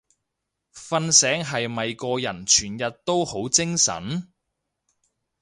瞓醒係咪個人全日都好精神？